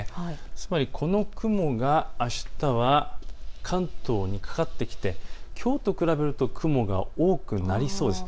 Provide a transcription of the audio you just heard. つまりこの雲があしたは関東にかかってきてきょうと比べると雲が多くなりそうです。